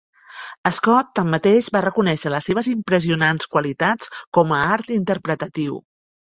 Scott, tanmateix, va reconèixer les seves impressionants qualitats com a art interpretatiu.